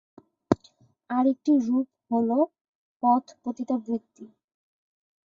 আরেকটি রূপ হ'ল পথ পতিতাবৃত্তি।